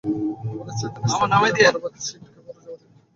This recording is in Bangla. আমাদের ছয়জনের সার্কেলের বারবার ছিটকে পড়ে যাওয়া আমাকে টেনে তুলেছে এরাই।